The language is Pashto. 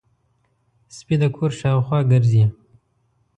سپي د کور شاوخوا ګرځي.